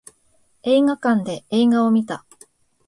映画館で映画を見た